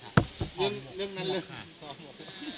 เรื่องนั้นหรือ